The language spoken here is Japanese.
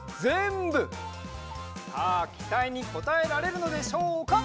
さあきたいにこたえられるのでしょうか？